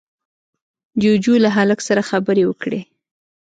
جُوجُو له هلک سره خبرې وکړې.